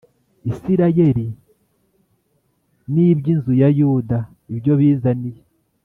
Isirayeli n iby inzu ya yuda ibyo bizaniye